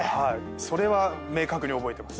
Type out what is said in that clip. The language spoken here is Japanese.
それは明確に覚えてます。